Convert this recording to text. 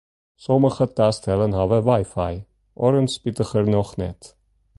Sommige tastellen hawwe wifi, oaren spitigernôch net.